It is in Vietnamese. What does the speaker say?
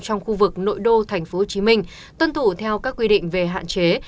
trong khu vực nội đô tp hcm tuân thủ theo các quy định về hạn chế